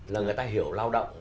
là người ta hiểu lao động